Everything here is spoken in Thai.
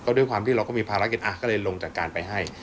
ด้วยความที่เราก็มีภารกิจก็เลยลงจากการไปให้